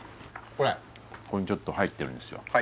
ここにちょっと入ってるんですよ